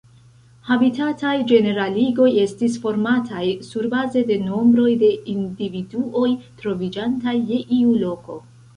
Habitataj ĝeneraligoj estis formataj surbaze de nombroj de individuoj troviĝantaj je iu loko.